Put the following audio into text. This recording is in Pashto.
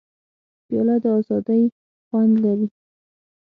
پیاله د ازادۍ خوند لري.